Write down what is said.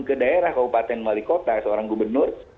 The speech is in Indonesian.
ke daerah ke upatan wali kota seorang gubernur